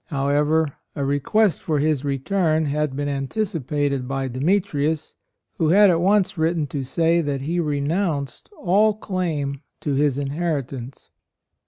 However, a re quest for his return had been anticipated by Demetrius, who had at once written to say that he renounced all claim to his inheritance.